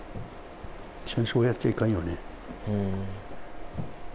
戦争をやっちゃいかんよね。